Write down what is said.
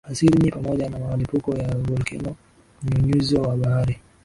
asili ni pamoja na milipuko ya volkeno mnyunyizo wa bahari